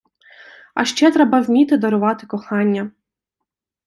А ще треба вміти дарувати кохання.